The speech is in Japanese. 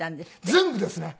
全部ですね。